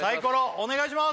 お願いします